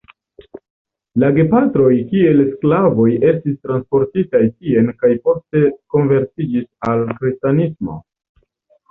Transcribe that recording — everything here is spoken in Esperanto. La gepatroj kiel sklavoj estis transportitaj tien kaj poste konvertiĝis al kristanismo.